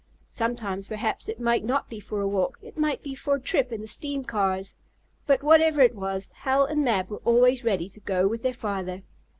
Sometimes perhaps it might not be for a walk. It might be for a trip in the steam cars. But, wherever it was, Hal and Mab were always ready to go with their father.